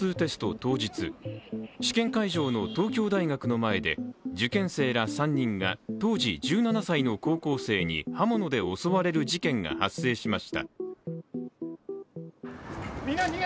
当日試験会場の東京大学の前で受験生ら３人が当時１７歳の高校生に刃物で襲われる事件が発生しました。